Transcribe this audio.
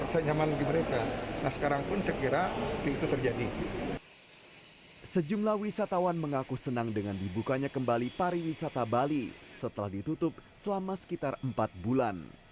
sejumlah wisatawan mengaku senang dengan dibukanya kembali pariwisata bali setelah ditutup selama sekitar empat bulan